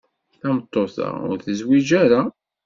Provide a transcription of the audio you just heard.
Tameṭṭut-a ur tezwij ara.